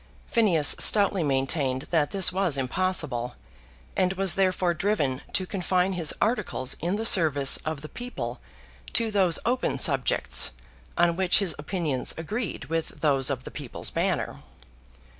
Phineas stoutly maintained that this was impossible, and was therefore driven to confine his articles in the service of the people to those open subjects on which his opinions agreed with those of the People's Banner.